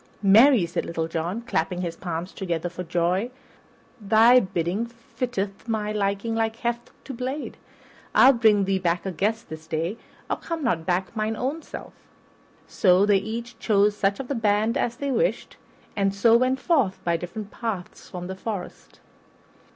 "Marry," cried Little John, clapping his palms together for joy, "thy bidding fitteth my liking like heft to blade. I'll bring thee back a guest this day, or come not back mine own self." Then they each chose such of the band as they wished, and so went forth by different paths from the forest.